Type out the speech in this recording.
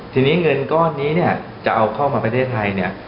ทีนี้เงินก้อนนี้เนี่ยจะเอาเข้ามาประเทศไทยเนี่ย